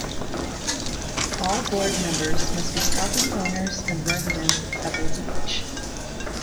All board members must be property owners and residents of Pebble Beach.